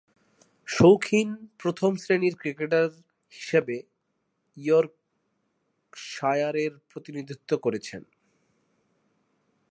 শৌখিন প্রথম-শ্রেণীর ক্রিকেটার হিসেবে ইয়র্কশায়ারের প্রতিনিধিত্ব করেছেন।